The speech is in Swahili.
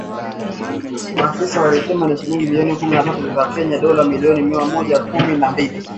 Maafisa walisema ni shilingi bilioni kumi na tatu za Kenya (dola milioni mia moja kumi na mbili).